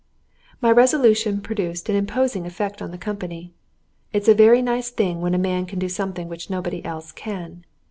] My resolution produced an imposing effect on the company. It's a very nice thing when a man can do something which nobody else can!